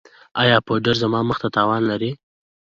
ایا پوډر زما مخ ته تاوان لري؟